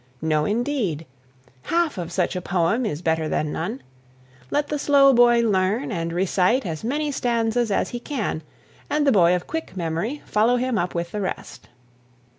No, indeed. Half of such a poem is better than none. Let the slow boy learn and recite as many stanzas as he can and the boy of quick memory follow him up with the rest.